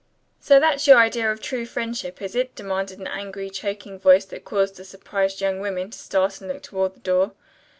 "So that's your idea of true friendship, is it?" demanded an angry, choking voice that caused the surprised young women to start and look toward the door.